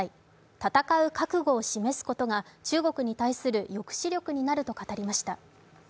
戦う覚悟を示すことが中国に対する抑止力になると語りました。